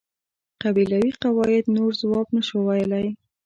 قبیلوي قواعد نور ځواب نشوای ویلای.